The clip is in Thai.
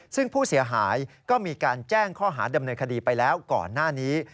ซึ่งผู้เสียหายก็มีการแจ้งข้อหาดำเนินคดีไปแล้วก่อนหน้านี้